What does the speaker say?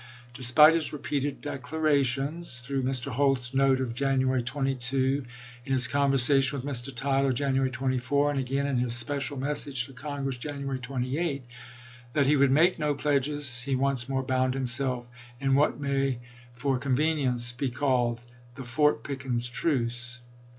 Despite his repeated declarations, — through Mr. Holt's note of January 22 — in his conversation with Mr. Tyler, January 24 — and ••Globe" again in his special message to Congress, January pp"wo,16oi! 28, — that he would make no pledges, he once more bound himself in what may for convenience be called the Fort Pickens truce.